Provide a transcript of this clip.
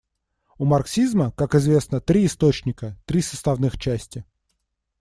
У марксизма, как известно, три источника, три составных части.